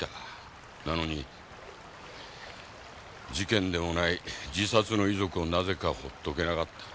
なのに事件でもない自殺の遺族をなぜかほっとけなかった。